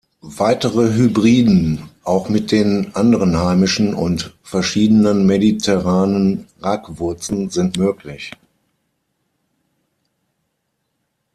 Weitere Hybriden auch mit den anderen heimischen und verschiedenen mediterranen Ragwurzen sind möglich.